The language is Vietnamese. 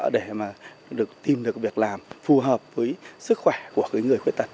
được tìm được việc làm phù hợp với sức khỏe của người khuyết tật